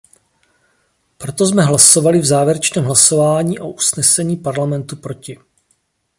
Proto jsme hlasovali v závěrečném hlasování o usnesení Parlamentu proti.